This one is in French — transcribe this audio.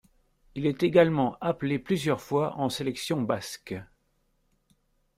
Il est également appelé plusieurs fois en sélection basque.